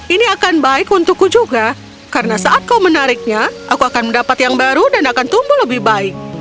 ini akan baik untukku juga karena saat kau menariknya aku akan mendapat yang baru dan akan tumbuh lebih baik